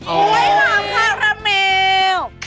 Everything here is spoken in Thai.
กล้วยห่อมคาราเมล